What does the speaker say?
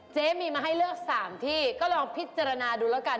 เจ๊มีมาให้เลือก๓ที่ก็ลองพิจารณาดูแล้วกัน